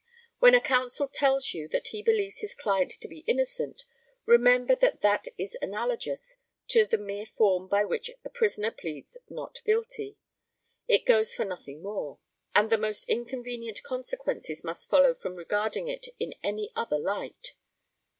When a counsel tells you that he believes his client to be innocent, remember that that is analogous to the mere form by which a prisoner pleads "Not Guilty." It goes for nothing more; and the most inconvenient consequences must follow from regarding it in any other light.